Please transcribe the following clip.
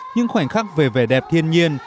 những khoảnh khắc về vẻ đẹp thiên nhiên